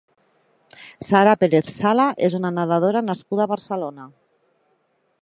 Sara Pérez Sala és una nedadora nascuda a Barcelona.